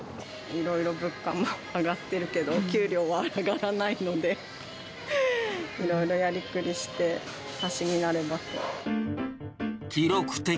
いろいろ物価も上がってるけど、給料は上がらないので、いろいろやりくりして足しになればと。